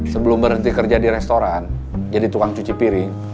sebelum berhenti kerja di restoran jadi tukang cuci piring